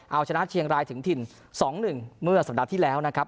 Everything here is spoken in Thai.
เอาชนะเชียงรายถึงถิ่น๒๑เมื่อสัปดาห์ที่แล้วนะครับ